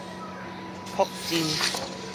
樸真